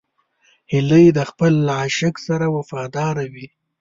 هیلۍ د خپل عاشق سره وفاداره وي